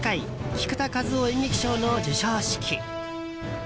菊田一夫演劇賞の授賞式。